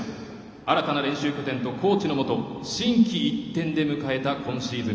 新たな練習拠点とコーチのもと心機一転で迎えた今シーズン。